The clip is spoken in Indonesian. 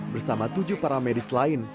bersama tujuh para medis lain